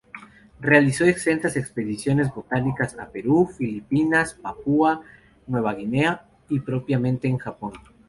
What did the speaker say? Realizó extensas expediciones botánicas a Perú, Filipinas, Papúa Nueva Guinea, y propiamente en Japón.